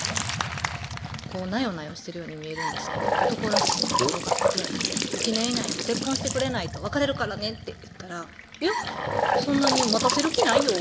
なよなよしてるように見えるんですけど男らしいところがあって「１年以内に結婚してくれないと別れるからね」って言ったら「いやそんなに待たせる気ないよ」